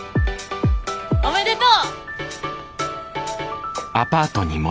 おめでとう！